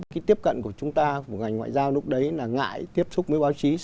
cái tiếp cận của chúng ta của ngành ngoại giao lúc đấy là ngại tiếp xúc với báo chí